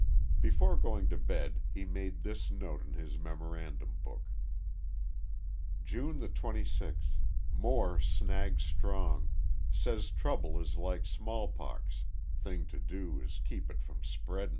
Before going to bed he made this note in his memorandum book: _"June the 26 More snags Strong says trubel is like small pox thing to do is kepe it from spreadin."